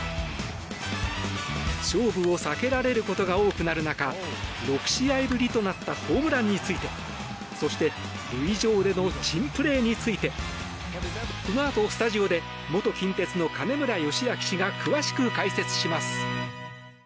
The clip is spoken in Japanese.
勝負を避けられることが多くなる中６試合ぶりとなったホームランについてそして塁上での珍プレーについてこのあとスタジオで元近鉄の金村義明氏が詳しく解説します。